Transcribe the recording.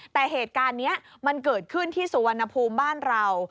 แต่เหตุการณ์นี้มันเกิดขึ้นที่สุวรรณภูมิบ้านเรา